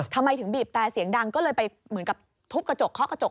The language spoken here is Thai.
ทำไมถึงบีบแต่เสียงดังก็เลยไปเหมือนกับทุบกระจกเคาะกระจก